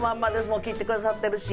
もう切ってくださってるし。